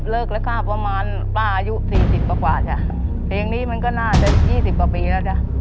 เลือกราคาประมาณประอายุสี่สิบกว่าจ๊ะเพียงนี้มันก็น่าจะยี่สิบกว่าปีแล้วจ๊ะ